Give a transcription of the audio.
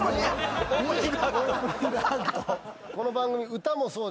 この番組。